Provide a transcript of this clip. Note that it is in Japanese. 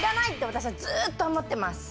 私はずっと思ってます。